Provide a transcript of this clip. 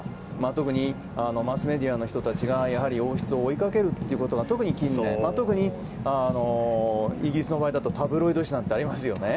特に、マスメディアの人たちが王室を追いかけることが特に近年、イギリスの場合だとタブロイド紙なんてありますよね。